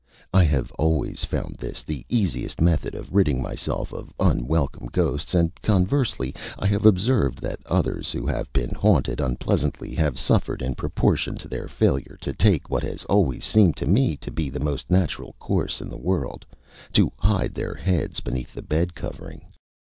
I have always found this the easiest method of ridding myself of unwelcome ghosts, and, conversely, I have observed that others who have been haunted unpleasantly have suffered in proportion to their failure to take what has always seemed to me to be the most natural course in the world to hide their heads beneath the bed covering.